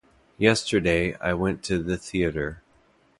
Yesterday, I went to the theatre.